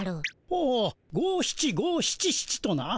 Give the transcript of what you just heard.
ほう五七五七七とな。